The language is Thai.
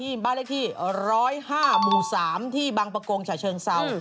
นี่บ้านเลขที่๑๐๕หมู่๓ที่บังปะโกงฉะเชิงเศร้า